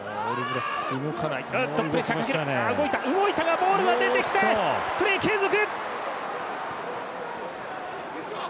ボールが出てきてプレー継続！